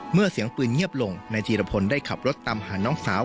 เมื่อเสียงปืนเงียบลงนายจีรพลได้ขับรถตามหาน้องสาว